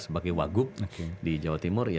sebagai wagup di jawa timur